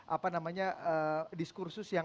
apa namanya diskursus yang